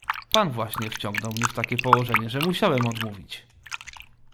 "Pan właśnie wciągnął mnie w takie położenie, że musiałem panu odmówić."